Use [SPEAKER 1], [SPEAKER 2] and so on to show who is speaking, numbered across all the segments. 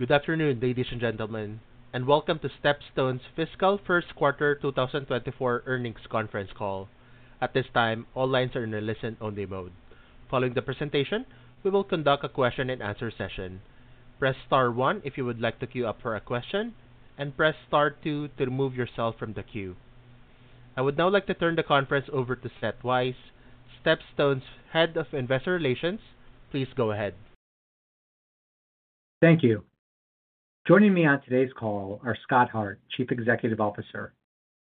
[SPEAKER 1] Good afternoon, ladies and gentlemen, welcome to StepStone's Fiscal First Quarter 2024 Earnings Conference Call. At this time, all lines are in a listen-only mode. Following the presentation, we will conduct a question-and-answer session. Press star one if you would like to queue up for a question, and press star two to remove yourself from the queue. I would now like to turn the conference over to Seth Weiss, StepStone's Head of Investor Relations. Please go ahead.
[SPEAKER 2] Thank you. Joining me on today's call are Scott Hart, Chief Executive Officer,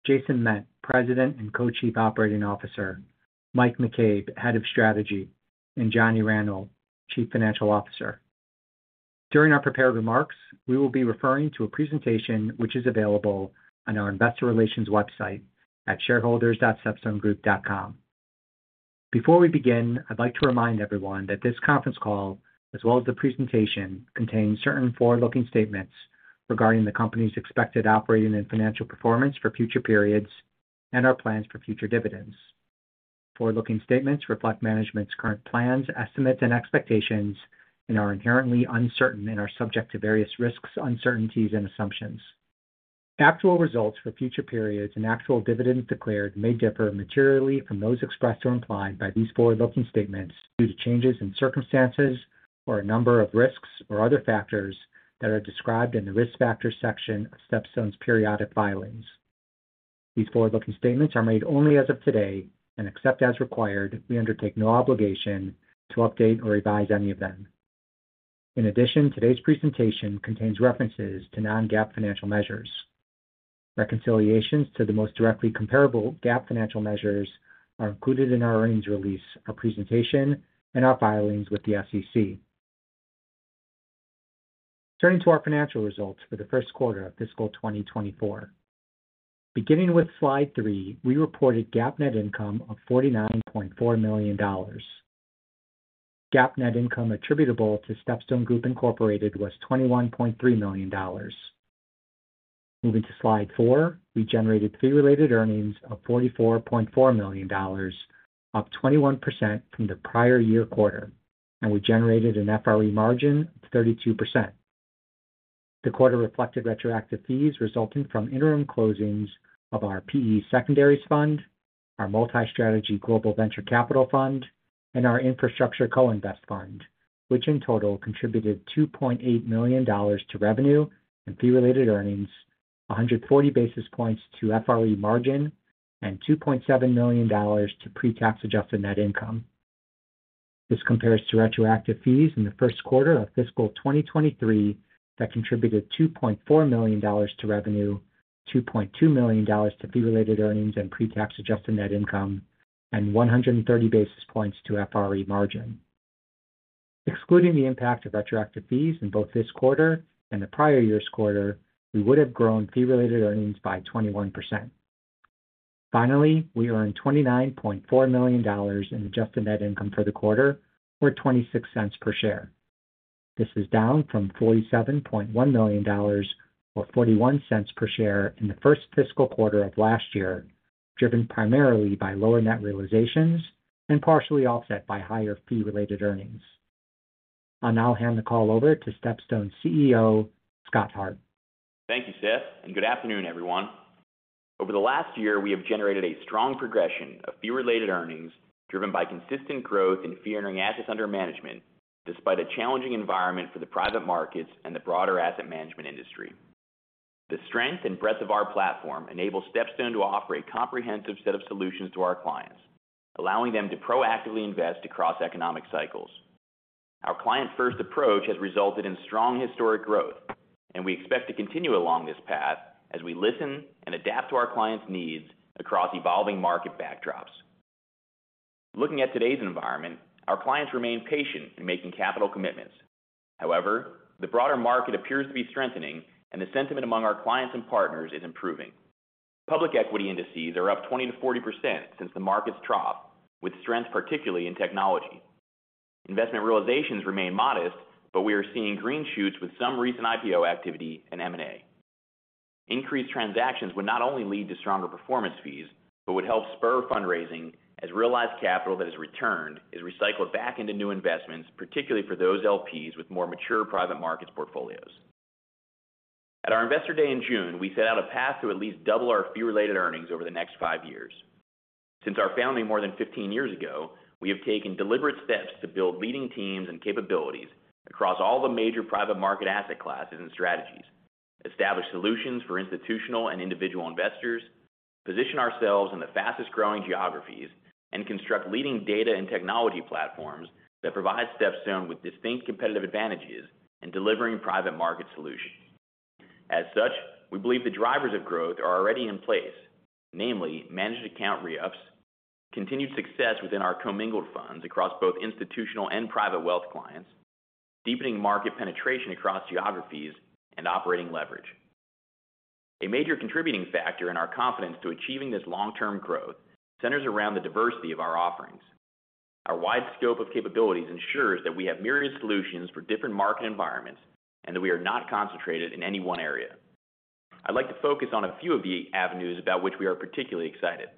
[SPEAKER 2] Jason Ment, President and Co-Chief Operating Officer, Mike McCabe, Head of Strategy, and Johnny Randel, Chief Financial Officer. During our prepared remarks, we will be referring to a presentation which is available on our investor relations website at shareholders.stepstonegroup.com. Before we begin, I'd like to remind everyone that this conference call, as well as the presentation, contains certain forward-looking statements regarding the company's expected operating and financial performance for future periods and our plans for future dividends. Forward-looking statements reflect management's current plans, estimates, and expectations and are inherently uncertain and are subject to various risks, uncertainties, and assumptions. Actual results for future periods and actual dividends declared may differ materially from those expressed or implied by these forward-looking statements due to changes in circumstances or a number of risks or other factors that are described in the Risk Factors section of StepStone's periodic filings. These forward-looking statements are made only as of today, and except as required, we undertake no obligation to update or revise any of them. In addition, today's presentation contains references to non-GAAP financial measures. Reconciliations to the most directly comparable GAAP financial measures are included in our earnings release, our presentation, and our filings with the SEC. Turning to our financial results for the first quarter of fiscal 2024. Beginning with Slide 3, we reported GAAP net income of $49.4 million. GAAP net income attributable to StepStone Group Incorporated was $21.3 million. Moving to Slide 4, we generated fee-related earnings of $44.4 million, up 21% from the prior-year quarter, and we generated an FRE margin of 32%. The quarter reflected retroactive fees resulting from interim closings of our PE secondaries fund, our multi-strategy global venture capital fund, and our infrastructure co-invest fund, which in total contributed $2.8 million to revenue and fee-related earnings, 140 basis points to FRE margin, and $2.7 million to pre-tax Adjusted Net Income. This compares to retroactive fees in the first quarter of fiscal 2023 that contributed $2.4 million to revenue, $2.2 million to fee-related earnings and pre-tax Adjusted Net Income, and 130 basis points to FRE margin. Excluding the impact of retroactive fees in both this quarter and the prior year's quarter, we would have grown fee-related earnings by 21%. Finally, we earned $29.4 million in adjusted net income for the quarter, or $0.26 per share. This is down from $47.1 million, or $0.41 per share in the 1st fiscal quarter of last year, driven primarily by lower net realizations and partially offset by higher fee-related earnings. I'll now hand the call over to StepStone's CEO, Scott Hart.
[SPEAKER 3] Thank you, Seth. Good afternoon, everyone. Over the last year, we have generated a strong progression of fee-related earnings, driven by consistent growth in fee-earning assets under management, despite a challenging environment for the private markets and the broader asset management industry. The strength and breadth of our platform enables StepStone to offer a comprehensive set of solutions to our clients, allowing them to proactively invest across economic cycles. Our client-first approach has resulted in strong historic growth, and we expect to continue along this path as we listen and adapt to our clients' needs across evolving market backdrops. Looking at today's environment, our clients remain patient in making capital commitments. The broader market appears to be strengthening, and the sentiment among our clients and partners is improving. Public equity indices are up 20%-40% since the market's trough, with strength particularly in technology. Investment realizations remain modest, we are seeing green shoots with some recent IPO activity and M&A. Increased transactions would not only lead to stronger performance fees, but would help spur fundraising as realized capital that is returned is recycled back into new investments, particularly for those LPs with more mature private markets portfolios. At our Investor Day in June, we set out a path to at least double our fee-related earnings over the next five years. Since our founding more than 15 years ago, we have taken deliberate steps to build leading teams and capabilities across all the major private market asset classes and strategies, establish solutions for institutional and individual investors, position ourselves in the fastest-growing geographies, and construct leading data and technology platforms that provide StepStone with distinct competitive advantages in delivering private markets solutions. As such, we believe the drivers of growth are already in place, namely: managed account re-ups, continued success within our commingled funds across both institutional and private wealth clients, deepening market penetration across geographies, and operating leverage. A major contributing factor in our confidence to achieving this long-term growth centers around the diversity of our offerings. Our wide scope of capabilities ensures that we have myriad solutions for different market environments and that we are not concentrated in any one area. I'd like to focus on a few of the avenues about which we are particularly excited.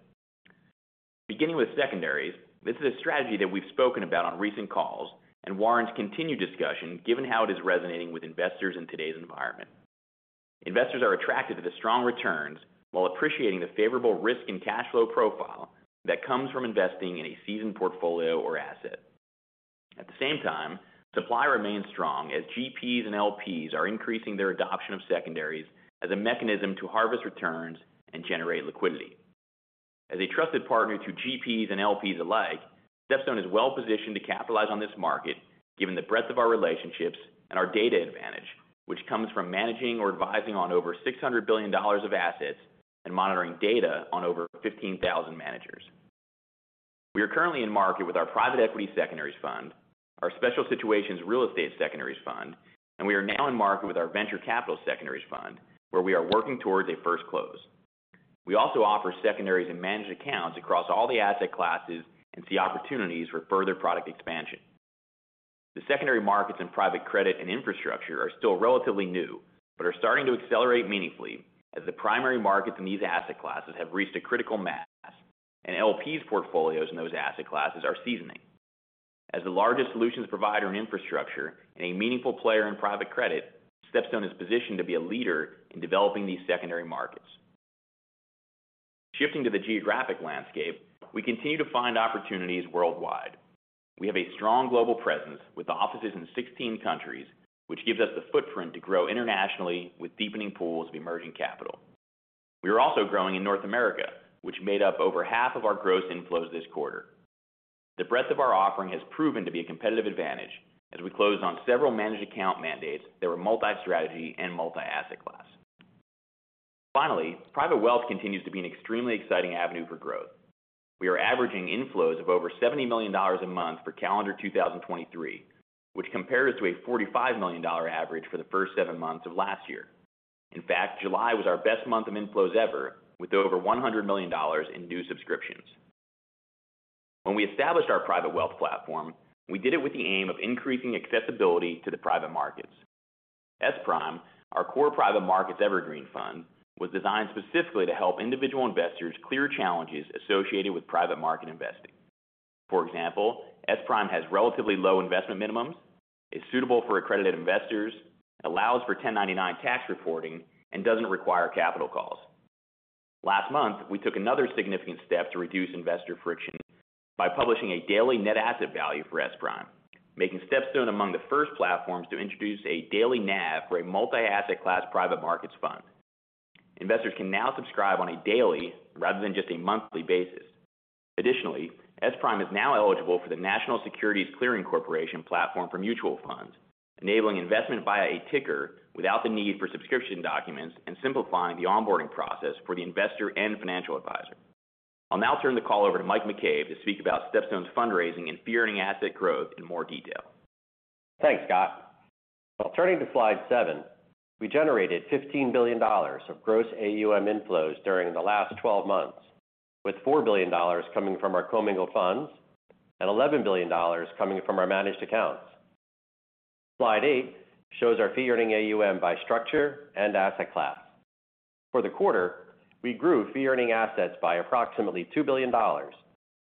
[SPEAKER 3] Beginning with secondaries, this is a strategy that we've spoken about on recent calls, and warrants continued discussion given how it is resonating with investors in today's environment. Investors are attracted to the strong returns while appreciating the favorable risk and cash flow profile that comes from investing in a seasoned portfolio or asset. At the same time, supply remains strong as GPs and LPs are increasing their adoption of secondaries as a mechanism to harvest returns and generate liquidity. As a trusted partner to GPs and LPs alike, StepStone is well positioned to capitalize on this market, given the breadth of our relationships and our data advantage, which comes from managing or advising on over $600 billion of assets and monitoring data on over 15,000 managers. We are currently in market with our private equity secondaries fund, our special situations real estate secondaries fund, and we are now in market with our venture capital secondaries fund, where we are working towards a first close. We also offer secondaries and managed accounts across all the asset classes and see opportunities for further product expansion. The secondary markets in private credit and infrastructure are still relatively new, but are starting to accelerate meaningfully as the primary markets in these asset classes have reached a critical mass, and LPs portfolios in those asset classes are seasoning. As the largest solutions provider in infrastructure and a meaningful player in private credit, StepStone is positioned to be a leader in developing these secondary markets. Shifting to the geographic landscape, we continue to find opportunities worldwide. We have a strong global presence with offices in 16 countries, which gives us the footprint to grow internationally with deepening pools of emerging capital. We are also growing in North America, which made up over half of our gross inflows this quarter. The breadth of our offering has proven to be a competitive advantage as we closed on several managed account mandates that were multi-strategy and multi-asset class. Finally, private wealth continues to be an extremely exciting avenue for growth. We are averaging inflows of over $70 million a month for calendar 2023, which compares to a $45 million average for the first seven months of last year. In fact, July was our best month of inflows ever, with over $100 million in new subscriptions. When we established our private wealth platform, we did it with the aim of increasing accessibility to the private markets. S Prime, our core private markets evergreen fund, was designed specifically to help individual investors clear challenges associated with private market investing. For example, S Prime has relatively low investment minimums, is suitable for accredited investors, allows for 1099 tax reporting, and doesn't require capital calls. Last month, we took another significant step to reduce investor friction by publishing a daily net asset value for S Prime, making StepStone among the first platforms to introduce a daily NAV for a multi-asset class private markets fund. Investors can now subscribe on a daily rather than just a monthly basis. Additionally, S Prime is now eligible for the National Securities Clearing Corporation platform for mutual funds, enabling investment via a ticker without the need for subscription documents and simplifying the onboarding process for the investor and financial advisor. I'll now turn the call over to Mike McCabe to speak about StepStone's fundraising and fee earning asset growth in more detail.
[SPEAKER 4] Thanks, Scott. Well, turning to slide 7, we generated $15 billion of gross AUM inflows during the last 12 months, with $4 billion coming from our commingled funds and $11 billion coming from our managed accounts. Slide 8 shows our fee-earning AUM by structure and asset class. For the quarter, we grew fee-earning assets by approximately $2 billion,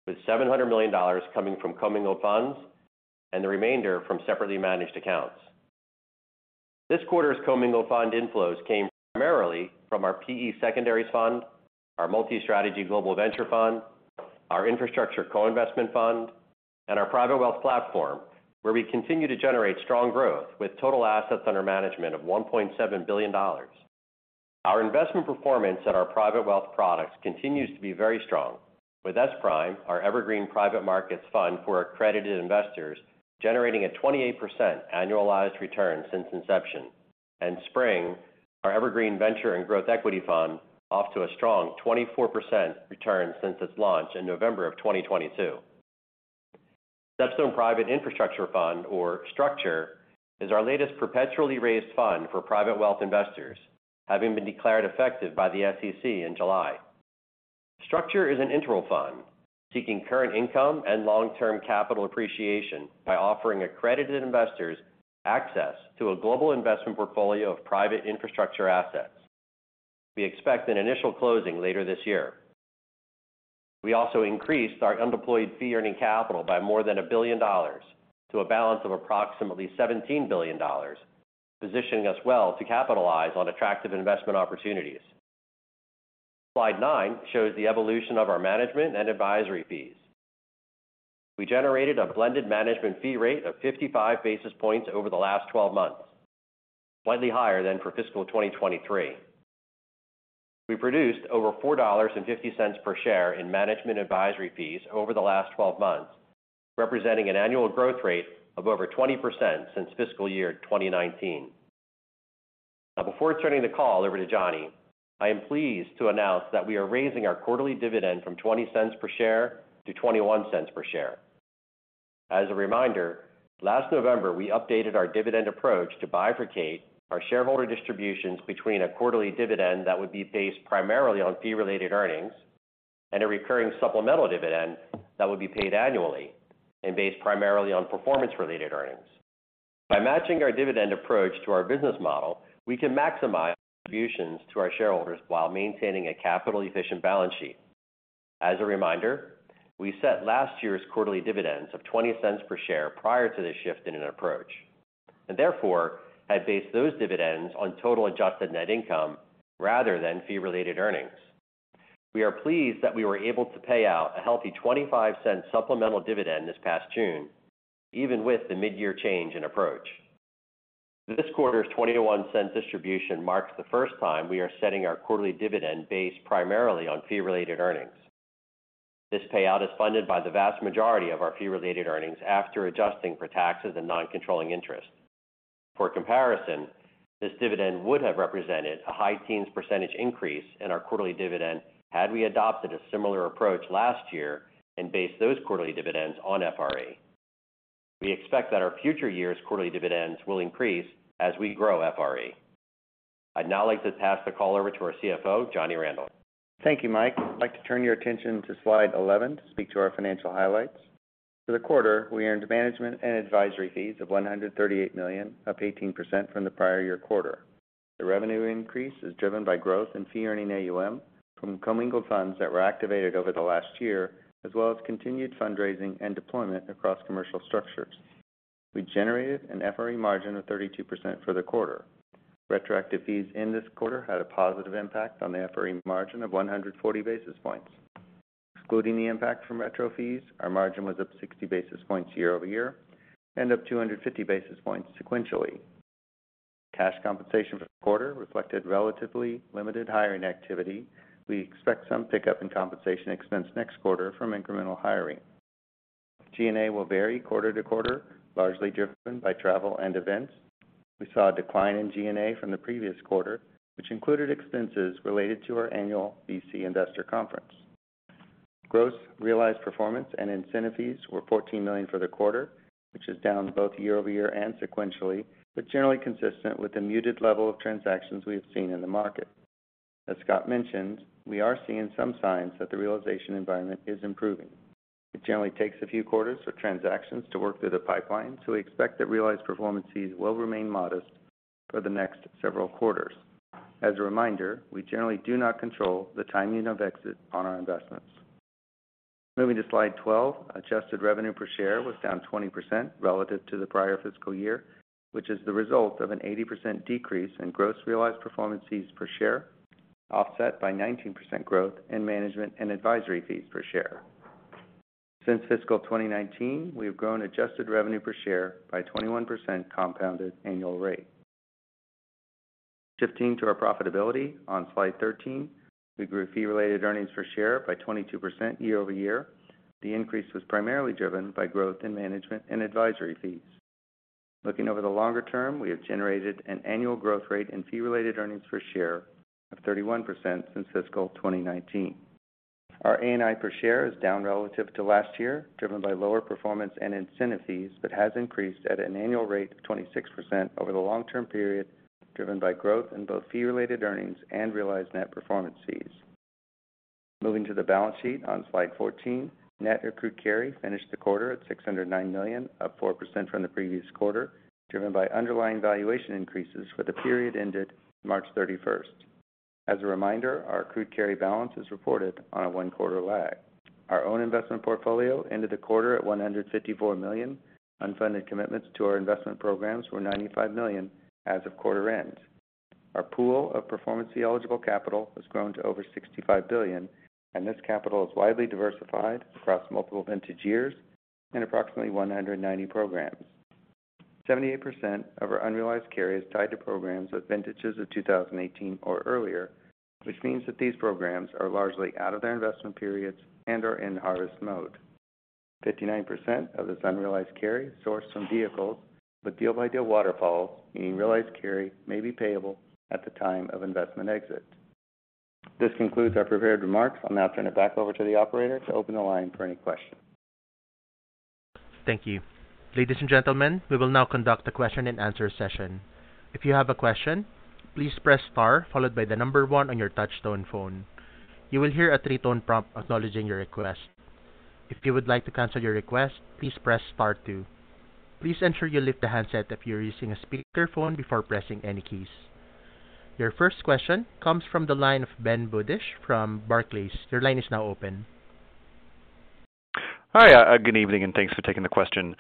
[SPEAKER 4] with $700 million coming from commingled funds and the remainder from separately managed accounts. This quarter's commingled fund inflows came primarily from our PE secondaries fund, our multi-strategy global venture fund, our infrastructure co-investment fund, and our private wealth platform, where we continue to generate strong growth with total assets under management of $1.7 billion. Our investment performance at our private wealth products continues to be very strong, with S Prime, our Evergreen Private Markets Fund for accredited investors, generating a 28% annualized return since inception, and Spring, our Evergreen Venture and Growth Equity Fund, off to a strong 24% return since its launch in November of 2022. StepStone Private Infrastructure Fund, or STRUCTURE, is our latest perpetually raised fund for private wealth investors, having been declared effective by the SEC in July. STRUCTURE is an interval fund seeking current income and long-term capital appreciation by offering accredited investors access to a global investment portfolio of private infrastructure assets. We expect an initial closing later this year. We also increased our undeployed fee-earning capital by more than $1 billion to a balance of approximately $17 billion, positioning us well to capitalize on attractive investment opportunities. Slide nine shows the evolution of our management and advisory fees. We generated a blended management fee rate of 55 basis points over the last 12 months, slightly higher than for fiscal 2023. We produced over $4.50 per share in management advisory fees over the last 12 months, representing an annual growth rate of over 20% since fiscal year 2019. Now, before turning the call over to Johnny, I am pleased to announce that we are raising our quarterly dividend from $0.20 per share to $0.21 per share. As a reminder, last November, we updated our dividend approach to bifurcate our shareholder distributions between a quarterly dividend that would be based primarily on fee-related earnings, and a recurring supplemental dividend that would be paid annually and based primarily on performance-related earnings. By matching our dividend approach to our business model, we can maximize contributions to our shareholders while maintaining a capital-efficient balance sheet. As a reminder, we set last year's quarterly dividends of $0.20 per share prior to this shift in an approach, and therefore, had based those dividends on total adjusted net income rather than fee-related earnings. We are pleased that we were able to pay out a healthy $0.25 supplemental dividend this past June, even with the mid-year change in approach. This quarter's $0.21 distribution marks the first time we are setting our quarterly dividend based primarily on fee-related earnings. This payout is funded by the vast majority of our fee-related earnings after adjusting for taxes and non-controlling interest. For comparison, this dividend would have represented a high teens % increase in our quarterly dividend had we adopted a similar approach last year and based those quarterly dividends on FRE. We expect that our future years' quarterly dividends will increase as we grow FRE. I'd now like to pass the call over to our CFO, Johnny Randel.
[SPEAKER 5] Thank you, Mike. I'd like to turn your attention to slide 11 to speak to our financial highlights. For the quarter, we earned management and advisory fees of $138 million, up 18% from the prior year quarter. The revenue increase is driven by growth in fee-earning AUM from commingled funds that were activated over the last year, as well as continued fundraising and deployment across commercial structures. We generated an FRE margin of 32% for the quarter. Retroactive fees in this quarter had a positive impact on the FRE margin of 140 basis points. Excluding the impact from retro fees, our margin was up 60 basis points year-over-year and up 250 basis points sequentially. Cash compensation for the quarter reflected relatively limited hiring activity. We expect some pickup in compensation expense next quarter from incremental hiring. G&A will vary quarter-to-quarter, largely driven by travel and events. We saw a decline in G&A from the previous quarter, which included expenses related to our annual VC Investor Conference. Gross realized performance and incentive fees were $14 million for the quarter, which is down both year-over-year and sequentially, but generally consistent with the muted level of transactions we have seen in the market. As Scott mentioned, we are seeing some signs that the realization environment is improving. It generally takes a few quarters for transactions to work through the pipeline, so we expect that realized performance fees will remain modest for the next several quarters. As a reminder, we generally do not control the timing of exit on our investments. Moving to Slide 12, adjusted revenue per share was down 20% relative to the prior fiscal year, which is the result of an 80% decrease in gross realized performance fees per share, offset by 19% growth in management and advisory fees per share. Since fiscal 2019, we have grown adjusted revenue per share by 21% compounded annual rate. Shifting to our profitability on Slide 13, we grew Fee-Related Earnings per share by 22% year-over-year. The increase was primarily driven by growth in management and advisory fees. Looking over the longer term, we have generated an annual growth rate in Fee-Related Earnings per share of 31% since fiscal 2019. Our ANI per share is down relative to last year, driven by lower performance and incentive fees, but has increased at an annual rate of 26% over the long-term period, driven by growth in both fee-related earnings and realized net performance fees. Moving to the balance sheet on Slide 14, net accrued carry finished the quarter at $609 million, up 4% from the previous quarter, driven by underlying valuation increases for the period ended March 31st. As a reminder, our accrued carry balance is reported on a 1-quarter lag. Our own investment portfolio ended the quarter at $154 million. Unfunded commitments to our investment programs were $95 million as of quarter end. Our pool of performance fee eligible capital has grown to over $65 billion, and this capital is widely diversified across multiple vintage years and approximately 190 programs. 78% of our unrealized carry is tied to programs with vintages of 2018 or earlier, which means that these programs are largely out of their investment periods and are in harvest mode. 59% of this unrealized carry sourced from vehicles with deal-by-deal waterfalls, meaning realized carry may be payable at the time of investment exit. This concludes our prepared remarks. I'll now turn it back over to the operator to open the line for any questions.
[SPEAKER 1] Thank you. Ladies and gentlemen, we will now conduct a question-and-answer session. If you have a question, please press Star, followed by the number one on your touchtone phone. You will hear a three-tone prompt acknowledging your request. If you would like to cancel your request, please press Star two. Please ensure you lift the handset if you're using a speakerphone before pressing any keys. Your first question comes from the line of Benjamin Budish from Barclays. Your line is now open.
[SPEAKER 6] Hi, good evening, and thanks for taking the question.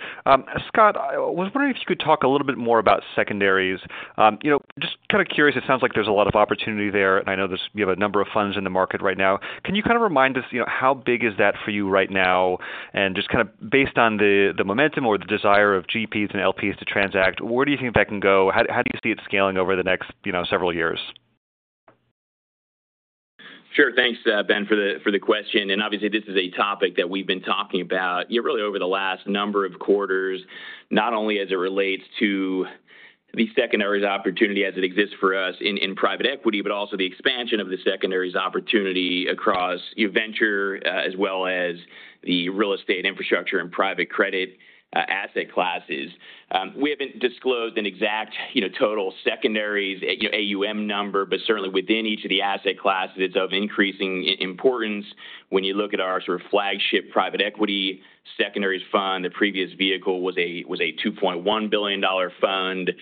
[SPEAKER 6] Scott, I was wondering if you could talk a little bit more about secondaries. You know, just kind of curious, it sounds like there's a lot of opportunity there, and I know you have a number of funds in the market right now. Can you kind of remind us, you know, how big is that for you right now? Just kind of based on the momentum or the desire of GPs and LPs to transact, where do you think that can go? How do you see it scaling over the next, you know, several years?
[SPEAKER 4] Sure. Thanks, Ben, for the, for the question. And obviously, this is a topic that we've been talking about, yeah, really over the last number of quarters, not only as it relates to the secondaries opportunity as it exists for us in, in private equity, but also the expansion of the secondaries opportunity across venture, as well as the real estate, infrastructure, and private credit, asset classes. We haven't disclosed an exact, you know, total secondaries, you know, AUM number, but certainly within each of the asset classes, it's of increasing importance when you look at our sort of flagship private equity.
[SPEAKER 3] secondaries fund. The previous vehicle was a $2.1 billion fund.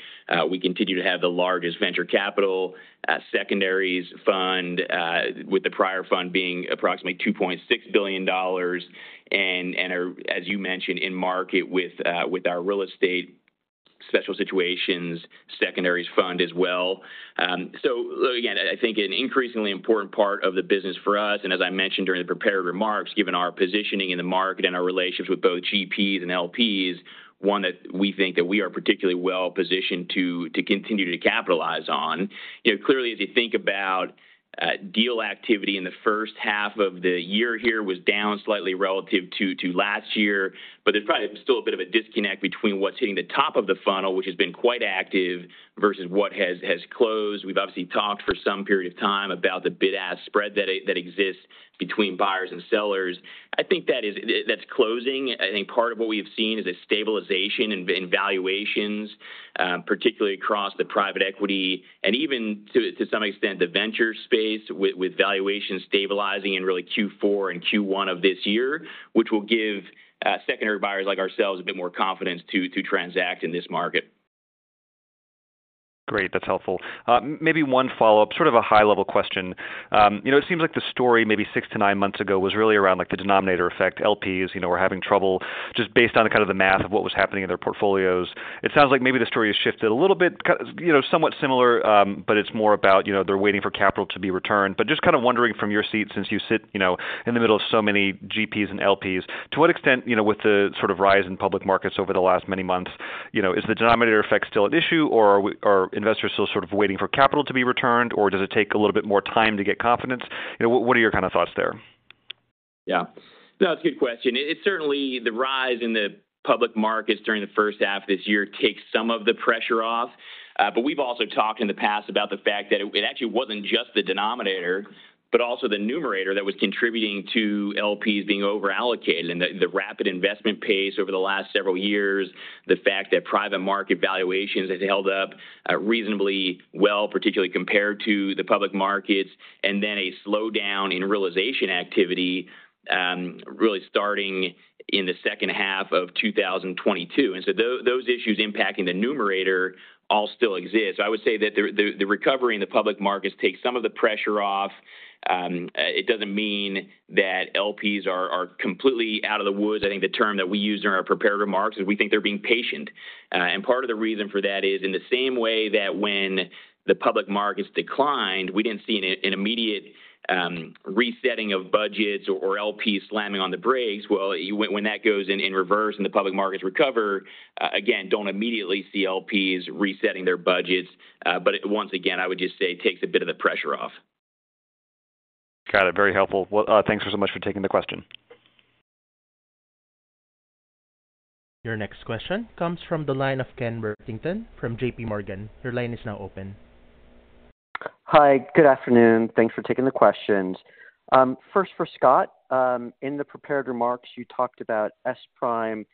[SPEAKER 3] We continue to have the largest venture capital secondaries fund, with the prior fund being approximately $2.6 billion. Are, as you mentioned, in market with our real estate special situations secondaries fund as well. Again, I think an increasingly important part of the business for us, and as I mentioned during the prepared remarks, given our positioning in the market and our relationships with both GPs and LPs, one that we think that we are particularly well positioned to, to continue to capitalize on. You know, clearly, as you think about deal activity in the first half of the year here was down slightly relative to last year. There's probably still a bit of a disconnect between what's hitting the top of the funnel, which has been quite active, versus what has, has closed. We've obviously talked for some period of time about the bid-ask spread that exists between buyers and sellers. I think that's closing. I think part of what we've seen is a stabilization in valuations, particularly across the private equity and even to some extent, the venture space, with valuations stabilizing in really Q4 and Q1 of this year, which will give secondary buyers like ourselves a bit more confidence to transact in this market.
[SPEAKER 6] Great. That's helpful. Maybe one follow-up, sort of a high-level question. You know, it seems like the story maybe six to nine months ago was really around, like, the denominator effect. LPs, you know, were having trouble just based on kind of the math of what was happening in their portfolios. It sounds like maybe the story has shifted a little bit, you know, somewhat similar, but it's more about, you know, they're waiting for capital to be returned. Just kind of wondering from your seat, since you sit, you know, in the middle of so many GPs and LPs, to what extent, you know, with the sort of rise in public markets over the last many months, you know, is the denominator effect still at issue, or are investors still sort of waiting for capital to be returned, or does it take a little bit more time to get confidence? You know, what, what are your kind of thoughts there?
[SPEAKER 3] Yeah. No, it's a good question. It's certainly the rise in the public markets during the first half of this year takes some of the pressure off. We've also talked in the past about the fact that it, it actually wasn't just the denominator, but also the numerator that was contributing to LPs being overallocated. The, the rapid investment pace over the last several years, the fact that private market valuations has held up, reasonably well, particularly compared to the public markets, and then a slowdown in realization activity, really starting in the second half of 2022. Those issues impacting the numerator all still exist. I would say that the, the, the recovery in the public markets takes some of the pressure off. It doesn't mean that LPs are, are completely out of the woods. I think the term that we used in our prepared remarks is we think they're being patient. Part of the reason for that is in the same way that when the public markets declined, we didn't see an immediate resetting of budgets or LPs slamming on the brakes. Well, when that goes in reverse and the public markets recover, again, don't immediately see LPs resetting their budgets. Once again, I would just say it takes a bit of the pressure off.
[SPEAKER 6] Got it. Very helpful. Well, thanks so much for taking the question.
[SPEAKER 1] Your next question comes from the line of Ken Worthington from J.P. Morgan. Your line is now open.
[SPEAKER 7] Hi, good afternoon. Thanks for taking the questions. First for Scott. In the prepared remarks, you talked about S Prime,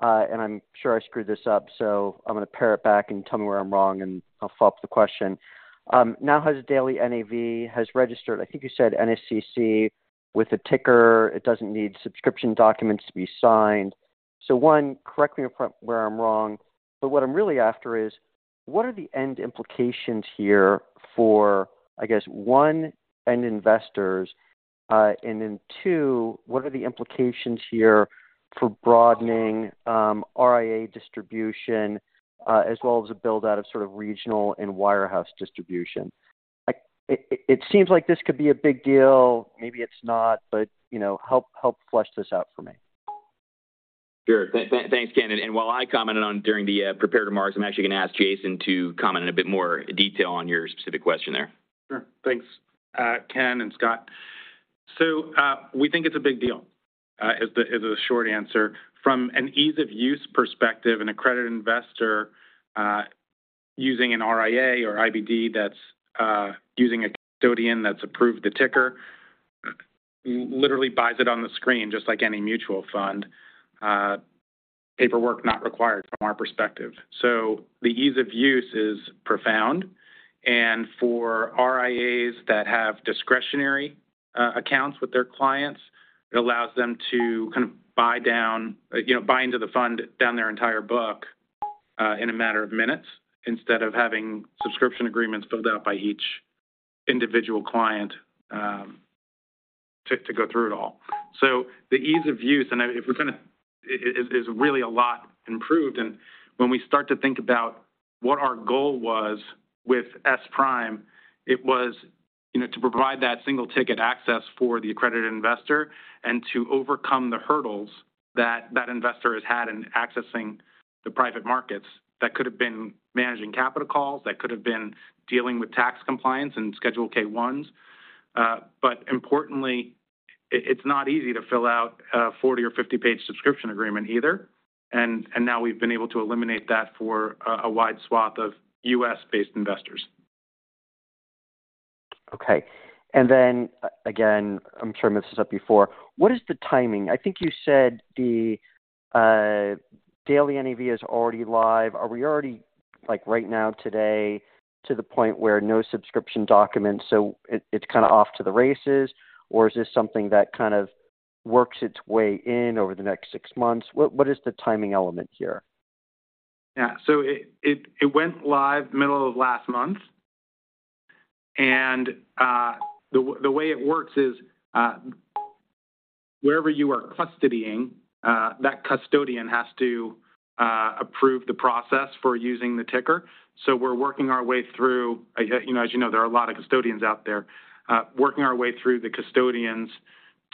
[SPEAKER 7] and I'm sure I screwed this up, so I'm going to pare it back and tell me where I'm wrong, and I'll follow up the question. Now, has a daily NAV, has registered, I think you said NSCC with a ticker. It doesn't need subscription documents to be signed. One, correct me where I'm wrong, but what I'm really after is: What are the end implications here for, I guess, 1, end investors? Then 2, what are the implications here for broadening RIA distribution, as well as a build-out of sort of regional and wirehouse distribution? It seems like this could be a big deal. Maybe it's not, but, you know, help, help flesh this out for me.
[SPEAKER 3] Sure. Thanks, Ken. While I commented on during the prepared remarks, I'm actually going to ask Jason to comment in a bit more detail on your specific question there.
[SPEAKER 8] Sure. Thanks, Ken and Scott. We think it's a big deal, is the short answer. From an ease-of-use perspective, an accredited investor, using an RIA or IBD that's, using a custodian that's approved the ticker, literally buys it on the screen, just like any mutual fund. Paperwork not required from our perspective. The ease of use is profound, and for RIAs that have discretionary, accounts with their clients, it allows them to kind of buy down, you know, buy into the fund down their entire book, in a matter of minutes, instead of having subscription agreements filled out by each individual client, to go through it all. The ease of use, and if we're going to... Is really a lot improved. When we start to think about what our goal was with S Prime, it was, you know, to provide that single-ticket access for the accredited investor and to overcome the hurdles that that investor has had in accessing the private markets. That could have been managing capital calls, that could have been dealing with tax compliance and Schedule K-1s. But importantly, it's not easy to fill out a 40 or 50-page subscription agreement either. Now we've been able to eliminate that for a, a wide swath of U.S.-based investors.
[SPEAKER 7] Okay. Again, I'm sure I mentioned this before, what is the timing? I think you said the daily NAV is already live. Are we already, like right now, today, to the point where no subscription documents, so it, it's kind of off to the races? Or is this something that kind of works its way in over the next six months? What, what is the timing element here?
[SPEAKER 8] Yeah. It went live middle of last month. The way it works is wherever you are custodying, that custodian has to approve the process for using the ticker. We're working our way through, you know, as you know, there are a lot of custodians out there. Working our way through the custodians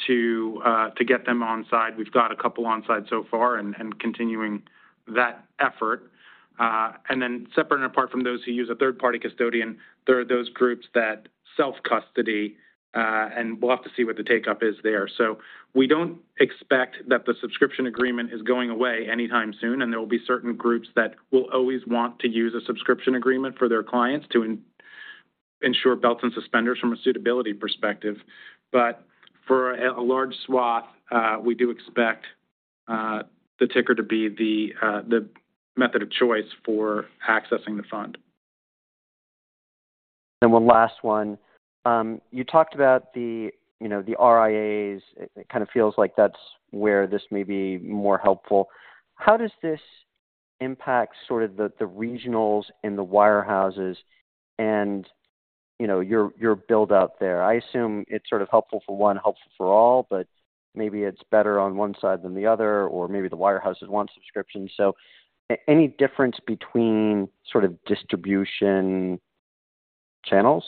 [SPEAKER 8] to get them on side. We've got a couple on side so far and continuing that effort. Separate and apart from those who use a third-party custodian, there are those groups that self-custody, and we'll have to see what the take-up is there. We don't expect that the subscription agreement is going away anytime soon, and there will be certain groups that will always want to use a subscription agreement for their clients to ensure belts and suspenders from a suitability perspective. For a, a large swath, we do expect, the ticker to be the method of choice for accessing the fund.
[SPEAKER 7] One last one. You talked about the, you know, the RIAs. It, it kind of feels like that's where this may be more helpful. How does this impact sort of the, the regionals and the wirehouses and, you know, your, your build-out there? I assume it's sort of helpful for one, helpful for all, but maybe it's better on one side than the other, or maybe the wirehouses want subscriptions. Any difference between sort of distribution channels?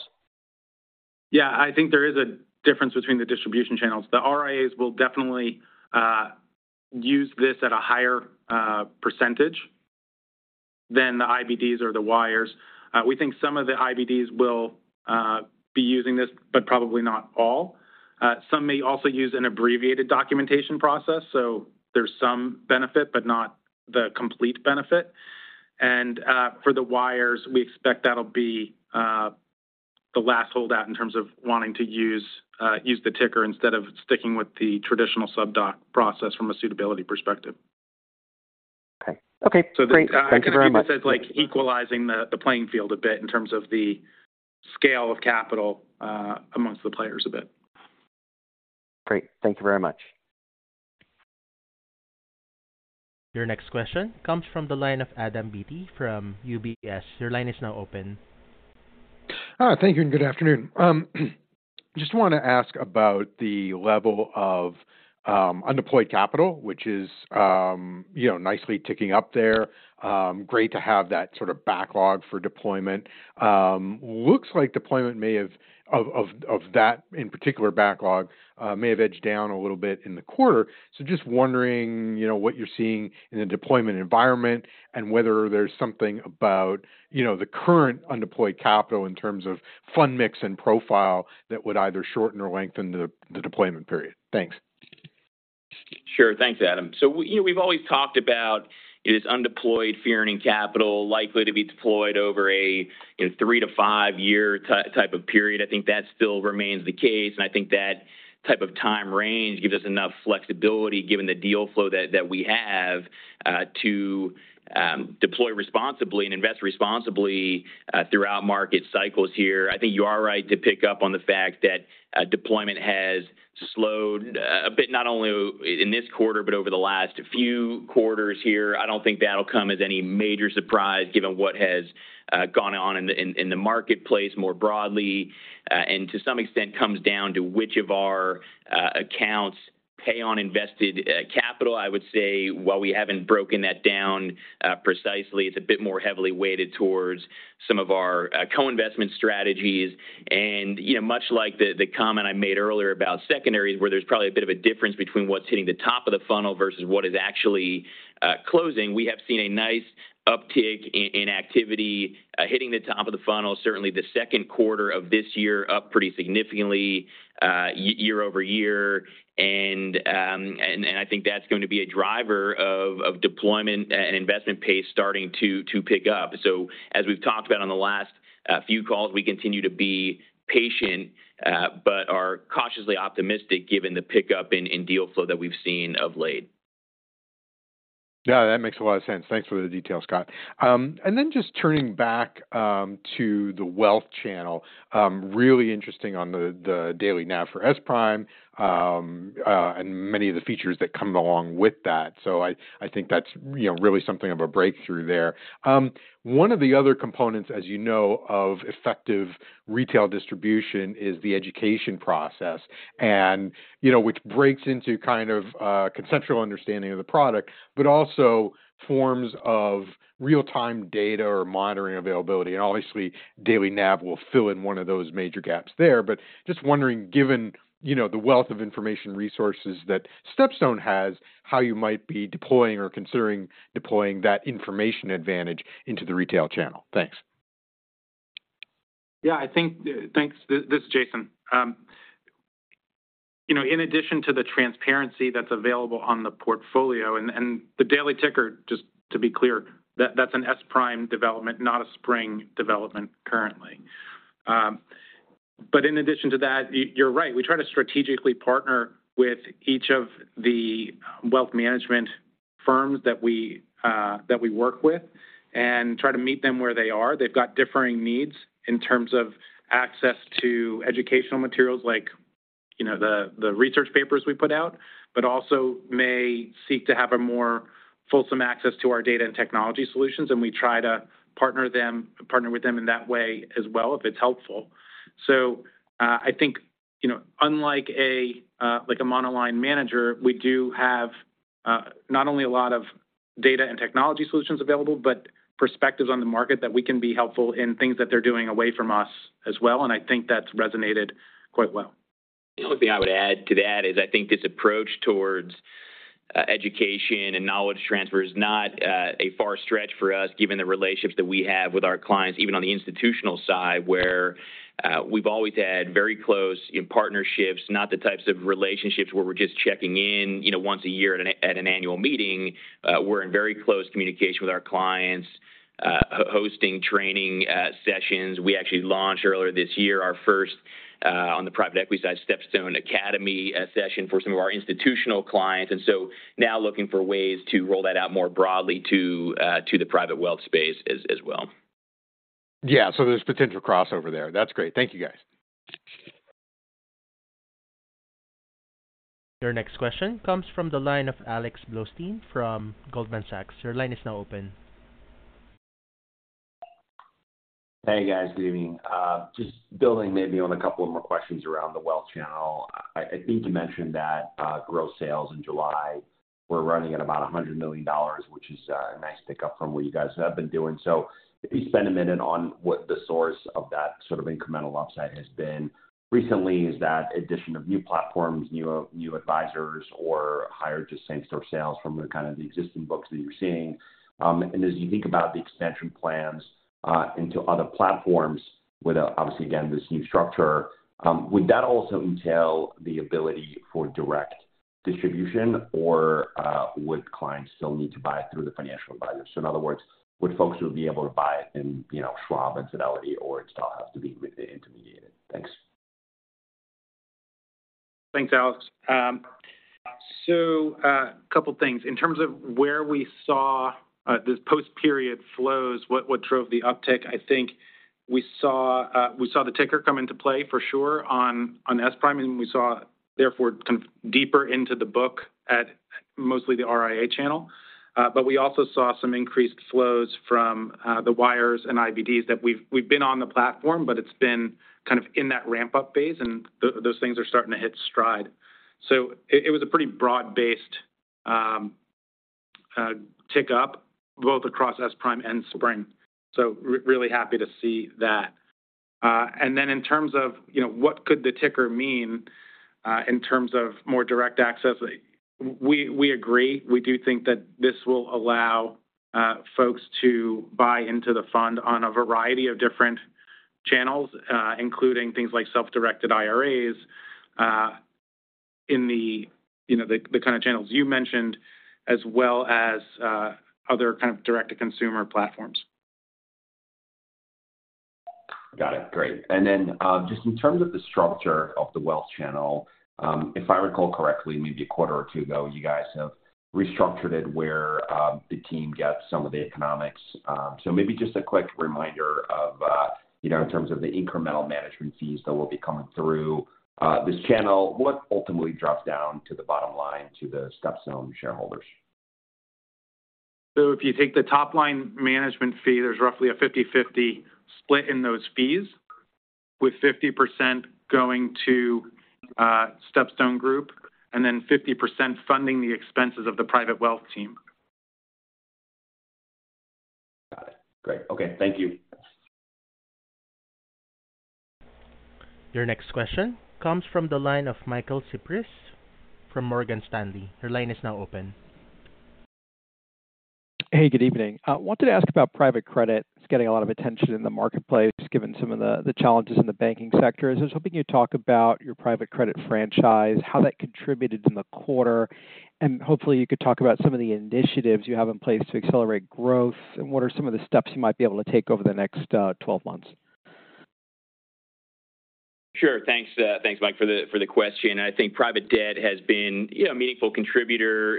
[SPEAKER 8] Yeah, I think there is a difference between the distribution channels. The RIAs will definitely use this at a higher % than the IBDs or the wires. We think some of the IBDs will be using this, but probably not all. Some may also use an abbreviated documentation process, so there's some benefit, but not the complete benefit. For the wires, we expect that'll be the last holdout in terms of wanting to use the ticker instead of sticking with the traditional subscription document process from a suitability perspective.
[SPEAKER 7] Okay. Okay, great. Thank you very much.
[SPEAKER 8] I kind of view this as, like, equalizing the, the playing field a bit in terms of the scale of capital amongst the players a bit.
[SPEAKER 7] Great. Thank you very much.
[SPEAKER 1] Your next question comes from the line of Adam Beatty from UBS. Your line is now open.
[SPEAKER 9] Thank you, and good afternoon. Just want to ask about the level of undeployed capital, which is, you know, nicely ticking up there. Great to have that sort of backlog for deployment. Looks like deployment may have, of, of, of that, in particular backlog, may have edged down a little bit in the quarter. Just wondering, you know, what you're seeing in the deployment environment and whether there's something about, you know, the current undeployed capital in terms of fund mix and profile that would either shorten or lengthen the, the deployment period. Thanks.
[SPEAKER 3] Sure. Thanks, Adam. We, you know, we've always talked about is undeployed fee-earning capital likely to be deployed over a, you know, 3-5 year type of period. I think that still remains the case, and I think that type of time range gives us enough flexibility, given the deal flow that, that we have, to deploy responsibly and invest responsibly throughout market cycles here. I think you are right to pick up on the fact that deployment has slowed a bit, not only in this quarter, but over the last few quarters here. I don't think that'll come as any major surprise, given what has gone on in the marketplace more broadly, and to some extent comes down to which of our accounts pay on invested capital. I would say, while we haven't broken that down precisely, it's a bit more heavily weighted towards some of our co-investment strategies. You know, much like the comment I made earlier about secondaries, where there's probably a bit of a difference between what's hitting the top of the funnel versus what is actually closing, we have seen a nice uptick in activity hitting the top of the funnel. Certainly, the second quarter of this year, up pretty significantly year-over-year. I think that's going to be a driver of deployment and investment pace starting to pick up. As we've talked about on the last few calls, we continue to be patient, but are cautiously optimistic given the pickup in deal flow that we've seen of late.
[SPEAKER 9] Yeah, that makes a lot of sense. Thanks for the details, Scott. Just turning back to the wealth channel, really interesting on the daily NAV for S Prime, and many of the features that come along with that. I think that's, you know, really something of a breakthrough there. One of the other components, as you know, of effective retail distribution is the education process, and, you know, which breaks into kind of conceptual understanding of the product, but also forms of real-time data or monitoring availability. Obviously, daily NAV will fill in one of those major gaps there. Just wondering, given, you know, the wealth of information resources that StepStone has, how you might be deploying or considering deploying that information advantage into the retail channel? Thanks.
[SPEAKER 8] Yeah, I think. Thanks. This is Jason. You know, in addition to the transparency that's available on the portfolio... The daily ticker, just to be clear, that's an S Prime development, not a Spring development currently. In addition to that, you, you're right. We try to strategically partner with each of the wealth management firms that we work with and try to meet them where they are. They've got differing needs in terms of access to educational materials like, you know, the research papers we put out, but also may seek to have a more fulsome access to our data and technology solutions, and we try to partner with them in that way as well, if it's helpful. I think, you know, unlike a, like a monoline manager, we do have not only a lot of data and technology solutions available, but perspectives on the market that we can be helpful in things that they're doing away from us as well, and I think that's resonated quite well.
[SPEAKER 3] The only thing I would add to that is I think this approach towards education and knowledge transfer is not a far stretch for us, given the relationships that we have with our clients, even on the institutional side, where we've always had very close in partnerships, not the types of relationships where we're just checking in, you know, once a year at an annual meeting. We're in very close communication with our clients, hosting training sessions. We actually launched earlier this year, our first, on the private equity side, StepStone Academy, a session for some of our institutional clients, and so now looking for ways to roll that out more broadly to the private wealth space as well.
[SPEAKER 9] Yeah. There's potential crossover there. That's great. Thank you, guys.
[SPEAKER 1] Your next question comes from the line of Alex Blostein from Goldman Sachs. Your line is now open.
[SPEAKER 10] Hey, guys. Good evening. Just building maybe on a couple of more questions around the wealth channel. I, I think you mentioned that gross sales in July were running at about $100 million, which is a nice pick-up from what you guys have been doing. If you spend a minute on what the source of that sort of incremental upside has been recently, is that addition of new platforms, new, new advisors, or higher just same-store sales from the kind of the existing books that you're seeing? And as you think about the expansion plans into other platforms with obviously, again, this new structure, would that also entail the ability for direct distribution, or would clients still need to buy through the financial advisors? In other words, would folks who be able to buy in, you know, Schwab and Fidelity, or it still has to be intermediated? Thanks.
[SPEAKER 8] Thanks, Alex. A couple of things. In terms of where we saw this post-period flows, what, what drove the uptick, I think we saw, we saw the ticker come into play for sure on S Prime, and we saw, therefore, kind of deeper into the book at mostly the RIA channel. We also saw some increased flows from the wires and IBDs that we've been on the platform, but it's been kind of in that ramp-up phase, and those things are starting to hit stride. It, it was a pretty broad-based tick-up, both across S Prime and Spring. Really happy to see that. In terms of, you know, what could the ticker mean in terms of more direct access? We, we agree. We do think that this will allow folks to buy into the fund on a variety of different channels, including things like self-directed IRAs, in the, you know, the, the kind of channels you mentioned, as well as other kind of direct-to-consumer platforms.
[SPEAKER 10] Got it. Great. Just in terms of the structure of the wealth channel, if I recall correctly, maybe a quarter or 2 ago, you guys have restructured it where the team gets some of the economics. Just a quick reminder of, you know, in terms of the incremental management fees that will be coming through this channel, what ultimately drops down to the bottom line to the StepStone shareholders?
[SPEAKER 8] If you take the top-line management fee, there's roughly a 50/50 split in those fees, with 50% going to StepStone Group, and then 50% funding the expenses of the private wealth team.
[SPEAKER 10] Got it. Great. Okay, thank you.
[SPEAKER 1] Your next question comes from the line of Michael Cyprys from Morgan Stanley. Your line is now open.
[SPEAKER 11] Hey, good evening. I wanted to ask about private credit. It's getting a lot of attention in the marketplace, given some of the, the challenges in the banking sector. I was hoping you'd talk about your private credit franchise, how that contributed in the quarter, and hopefully, you could talk about some of the initiatives you have in place to accelerate growth, and what are some of the steps you might be able to take over the next 12 months? Sure. Thanks, thanks, Mike, for the, for the question. I think private debt has been, you know, a meaningful contributor,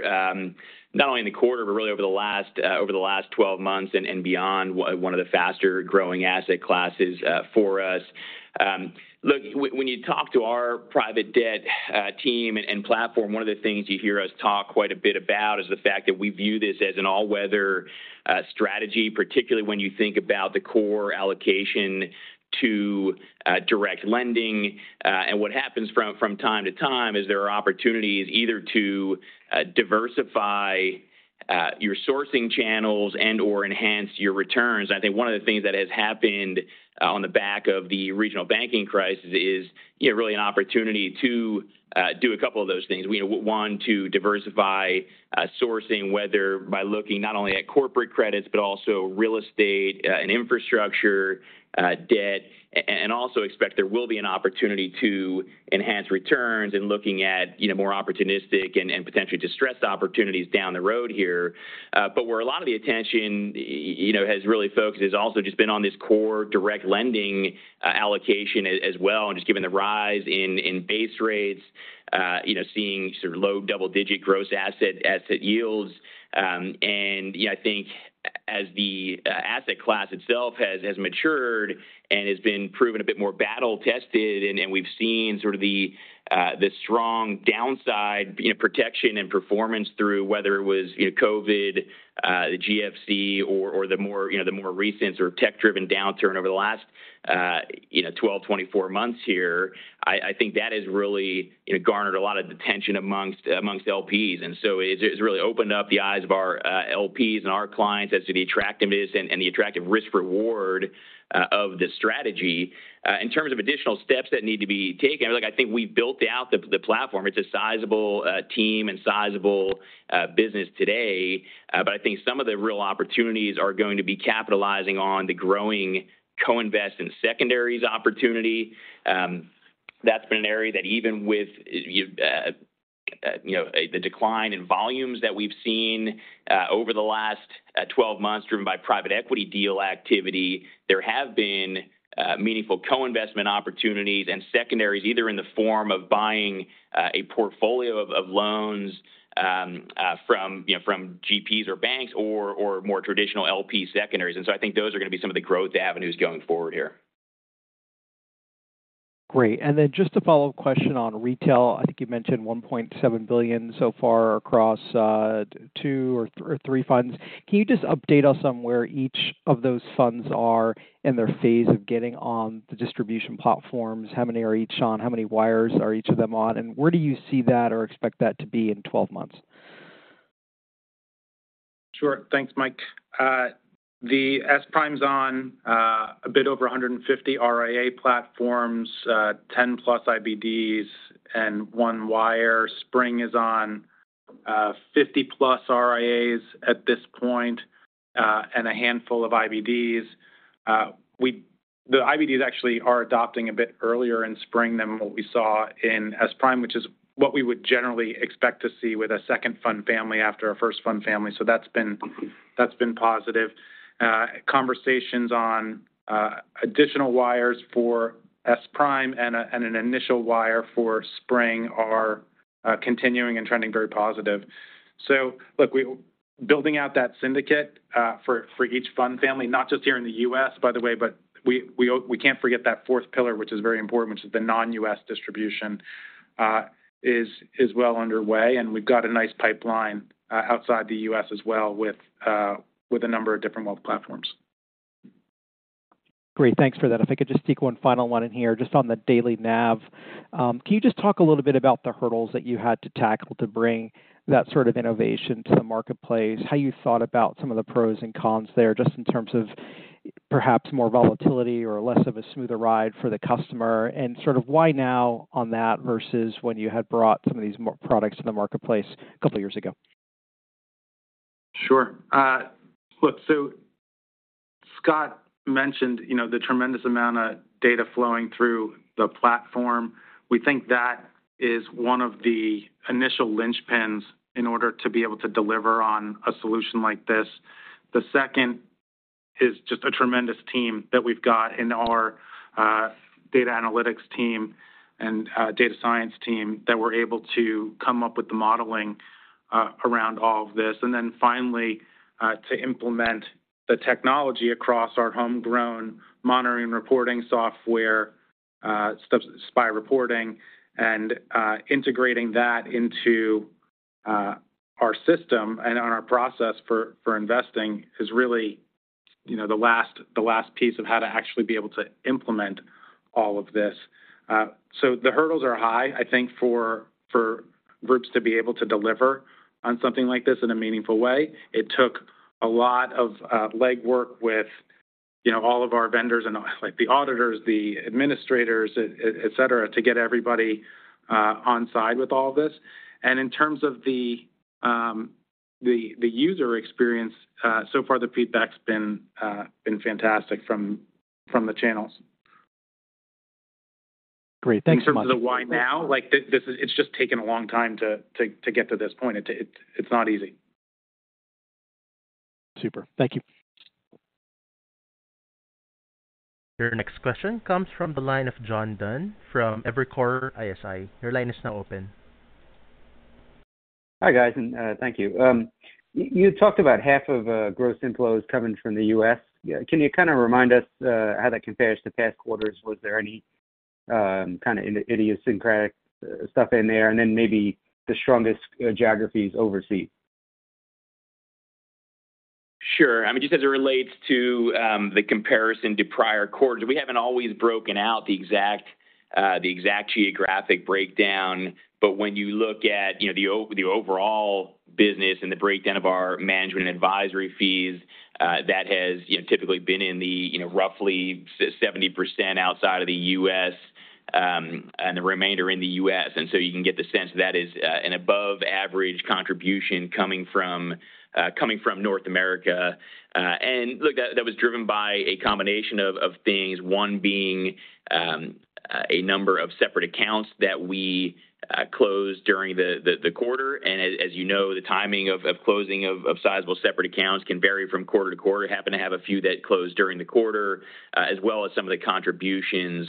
[SPEAKER 11] not only in the quarter, but really over the last, over the last 12 months and, and beyond, one of the faster-growing asset classes, for us.
[SPEAKER 3] Look, when, when you talk to our private debt team and platform, one of the things you hear us talk quite a bit about is the fact that we view this as an all-weather strategy, particularly when you think about the core allocation to direct lending. What happens from time to time is there are opportunities either to diversify your sourcing channels and/or enhance your returns. I think one of the things that has happened on the back of the regional banking crisis is, you know, really an opportunity to do a couple of those things. One, to diversify sourcing, whether by looking not only at corporate credits, but also real estate and infrastructure debt. Also expect there will be an opportunity to enhance returns and looking at, you know, more opportunistic and, potentially distressed opportunities down the road here. Where a lot of the attention, you know, has really focused has also just been on this core direct lending allocation as well, and just given the rise in base rates, you know, seeing sort of low double-digit gross asset yields. Yeah, I think as the asset class itself has matured and has been proven a bit more battle tested, and we've seen sort of the strong downside, you know, protection and performance through whether it was, you know, COVID, the GFC or the more, you know, the more recent sort of tech-driven downturn over the last, you know, 12, 24 months here. I, I think that has really, you know, garnered a lot of attention amongst LPs. So it's really opened up the eyes of our LPs and our clients as to the attractiveness and the attractive risk-reward of this strategy. In terms of additional steps that need to be taken, look, I think we built out the platform. It's a sizable team and sizable business today. I think some of the real opportunities are going to be capitalizing on the growing co-invest and secondaries opportunity. That's been an area that even with, you know, the decline in volumes that we've seen over the last 12 months, driven by private equity deal activity, there have been meaningful co-investment opportunities. Secondaries, either in the form of buying a portfolio of loans from, you know, from GPs or banks or more traditional LPs secondaries. I think those are going to be some of the growth avenues going forward here.
[SPEAKER 11] Great. Then just a follow-up question on retail. I think you mentioned $1.7 billion so far across 2 or 3 funds. Can you just update us on where each of those funds are in their phase of getting on the distribution platforms? How many are each on, how many wires are each of them on, and where do you see that or expect that to be in 12 months?
[SPEAKER 8] Sure. Thanks, Mike. The S Prime's on a bit over 150 RIA platforms, 10+ IBDs, and 1 wire. Spring is on 50+ RIAs at this point, and a handful of IBDs. The IBDs actually are adopting a bit earlier in Spring than what we saw in S Prime, which is what we would generally expect to see with a second fund family after a first fund family. That's been, that's been positive. Conversations on additional wires for S Prime and an initial wire for Spring are continuing and trending very positive. Look, building out that syndicate for, for each fund family, not just here in the US, by the way, but we can't forget that fourth pillar, which is very important, which is the non-US distribution, is well underway, and we've got a nice pipeline outside the US as well, with a number of different wealth platforms.
[SPEAKER 11] Great. Thanks for that. If I could just take one final one in here, just on the daily NAV. Can you just talk a little bit about the hurdles that you had to tackle to bring that sort of innovation to the marketplace? How you thought about some of the pros and cons there, just in terms of perhaps more volatility or less of a smoother ride for the customer, and sort of why now on that versus when you had brought some of these products to the marketplace a couple of years ago?
[SPEAKER 8] Sure. Look, Scott mentioned, you know, the tremendous amount of data flowing through the platform. We think that is one of the initial linchpins in order to be able to deliver on a solution like this. The second is just a tremendous team that we've got in our data analytics team and data science team, that we're able to come up with the modeling around all of this. Finally, to implement the technology across our homegrown monitoring and reporting software, ST-SPI Reporting, and integrating that into our system and on our process for, for investing is really, you know, the last, the last piece of how to actually be able to implement all of this. The hurdles are high, I think, for, for groups to be able to deliver on something like this in a meaningful way. It took a lot of legwork with, you know, all of our vendors and, like, the auditors, the administrators, et cetera, to get everybody on side with all of this. In terms of the, the, the user experience, so far the feedback's been fantastic from, from the channels.
[SPEAKER 11] Great. Thanks so much.
[SPEAKER 8] In terms of the why now, like, this is It's just taken a long time to get to this point. It's not easy.
[SPEAKER 11] Super. Thank you.
[SPEAKER 1] Your next question comes from the line of John Dunn from Evercore ISI. Your line is now open.
[SPEAKER 12] Hi, guys, and thank you. You, you talked about half of gross inflows coming from the US. Yeah, can you kind of remind us how that compares to past quarters? Was there any kind of idiosyncratic stuff in there? Then maybe the strongest geographies overseas.
[SPEAKER 3] Sure. I mean, just as it relates to the comparison to prior quarters, we haven't always broken out the exact, the exact geographic breakdown. When you look at, you know, the the overall business and the breakdown of our management and advisory fees, that has, you know, typically been in the, you know, roughly 70% outside of the U.S., and the remainder in the U.S. You can get the sense that is an above average contribution coming from coming from North America. Look, that, that was driven by a combination of things. One being a number of separate accounts that we closed during the, the, the quarter. As, as you know, the timing of closing of sizable separate accounts can vary from quarter to quarter. Happen to have a few that closed during the quarter, as well as some of the contributions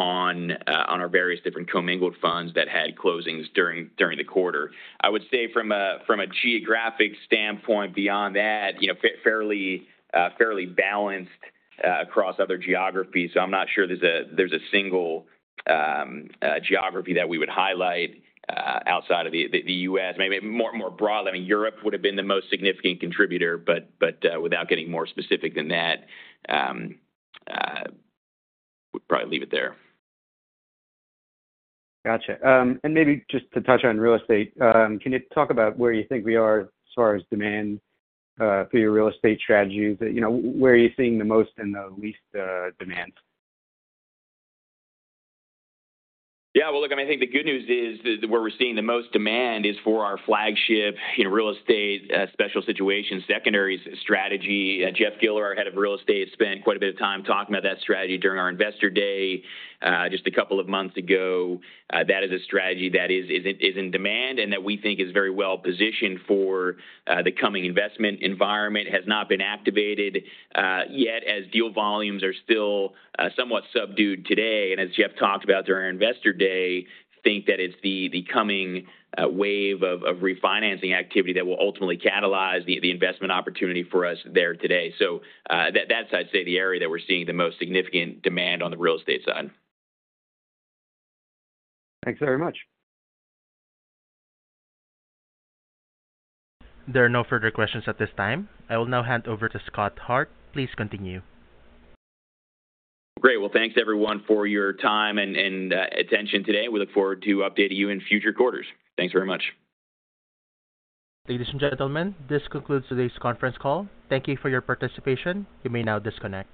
[SPEAKER 3] on our various different commingled funds that had closings during, during the quarter. I would say from a geographic standpoint beyond that, you know, fairly balanced across other geographies. I'm not sure there's a single geography that we would highlight outside of the US. Maybe more, more broadly, I mean, Europe would have been the most significant contributor, without getting more specific than that, we'll probably leave it there.
[SPEAKER 12] Gotcha. Maybe just to touch on real estate, can you talk about where you think we are as far as demand for your real estate strategies? You know, where are you seeing the most and the least demand?
[SPEAKER 3] Yeah, well, look, I mean, I think the good news is that where we're seeing the most demand is for our flagship, you know, Real Estate Special Situations Secondaries strategy. Jeff Giller, our Head of Real Estate, spent quite a bit of time talking about that strategy during our Investor Day, just 2 months ago. That is a strategy that is, is in, is in demand and that we think is very well positioned for the coming investment environment. Has not been activated yet, as deal volumes are still somewhat subdued today. As Jeff talked about during our Investor Day, think that it's the, the coming wave of refinancing activity that will ultimately catalyze the, the investment opportunity for us there today. That, that I'd say, is the area that we're seeing the most significant demand on the real estate side.
[SPEAKER 12] Thanks very much.
[SPEAKER 1] There are no further questions at this time. I will now hand over to Scott Hart. Please continue.
[SPEAKER 3] Great. Well, thanks everyone for your time and attention today. We look forward to updating you in future quarters. Thanks very much.
[SPEAKER 1] Ladies and gentlemen, this concludes today's conference call. Thank you for your participation. You may now disconnect.